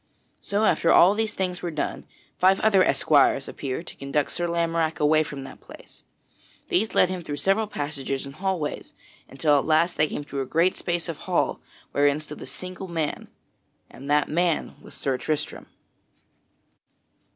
So after all these things were done, five other esquires appeared to conduct Sir Lamorack away from that place. These led him through several passages and hallways until at last they came to a great space of hall wherein stood a single man; and that man was Sir Tristram.